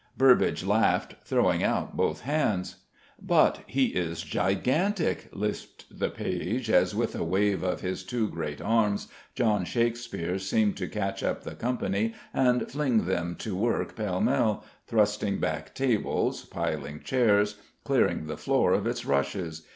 Burbage laughed, throwing out both hands. "But he is gigantic!" lisped the page, as with a wave of his two great arms John Shakespeare seemed to catch up the company and fling them to work pell mell, thrusting back tables, piling chairs, clearing the floor of its rushes.